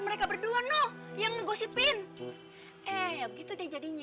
mereka berdua no yang ngegosipin eh begitu deh jadinya